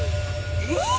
えっ？